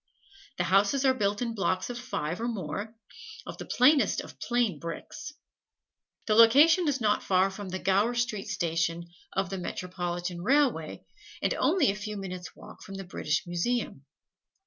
The houses are built in blocks of five (or more), of the plainest of plain bricks. The location is not far from the Gower Street Station of the Metropolitan Railway, and only a few minutes' walk from the British Museum.